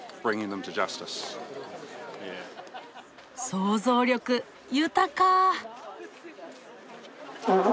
想像力豊か！